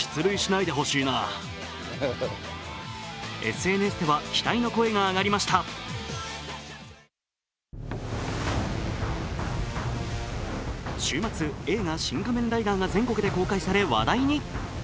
ＳＮＳでは期待の声が上がりました週末、映画「シン・仮面ライダー」が全国で公開され話題に。